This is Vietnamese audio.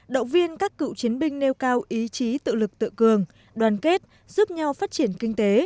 động viên các cựu chiến binh nêu cao ý chí tự lực tự cường đoàn kết giúp nhau phát triển kinh tế